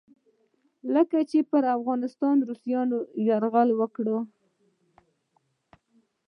کله چې پر افغانستان روسانو یرغل وکړ.